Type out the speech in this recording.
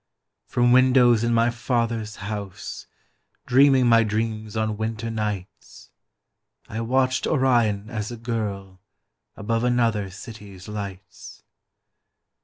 From windows in my father's house, Dreaming my dreams on winter nights, I watched Orion as a girl Above another city's lights.